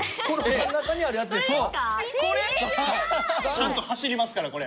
ちゃんと走りますからこれ。